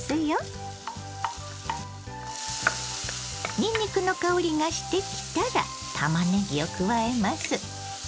にんにくの香りがしてきたらたまねぎを加えます。